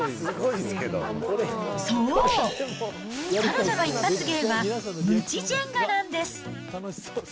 そう、彼女の一発芸は、むちジェンガなんです。